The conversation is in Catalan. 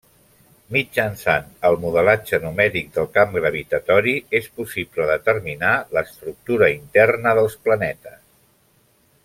Mitjançant el modelatge numèric del camp gravitatori és possible determinar l'estructura interna dels planetes.